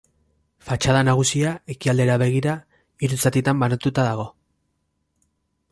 Fatxada nagusia, ekialdera begira, hiru zatitan banatuta dago.